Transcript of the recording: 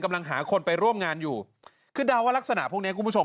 กำลังหาคนไปร่วมงานอยู่คือเดาว่ารักษณะพวกเนี้ยคุณผู้ชม